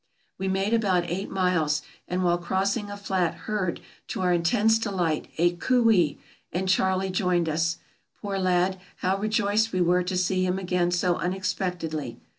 We made about eight miles, and while crossing a flat heard, to our intense ' delight, a "cooee," and Charley joined us. Poor lad, how rejoiced we were to see him again so unexpectedly